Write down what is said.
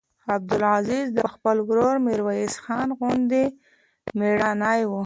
عبدالعزیز د خپل ورور میرویس خان غوندې مړنی نه و.